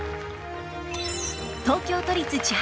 東京都立千早